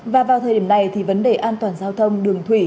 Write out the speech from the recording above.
và vào thời điểm này thì vấn đề an toàn giao thông đường thủy